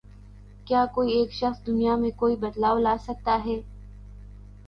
کیا کوئی ایک شخص دنیا میں کوئی بدلاؤ لا سکتا ہے